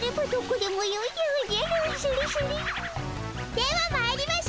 ではまいりましょ！